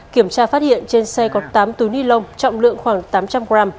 kiểm tra phát hiện trên xe có tám túi ni lông trọng lượng khoảng tám trăm linh gram